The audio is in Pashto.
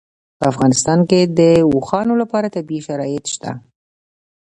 په افغانستان کې د اوښانو لپاره طبیعي شرایط شته.